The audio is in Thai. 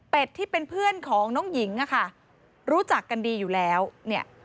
เป็นเพื่อนของน้องหญิงอะค่ะรู้จักกันดีอยู่แล้วเนี่ย